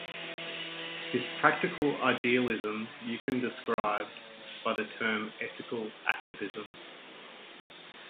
This practical idealism Eucken described by the term ethical activism.